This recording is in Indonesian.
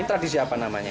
ini tradisi apa namanya